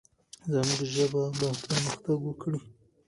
زموږ ژبه پرمختګ وکړي.